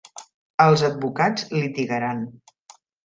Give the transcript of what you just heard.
Els advocats litigaran.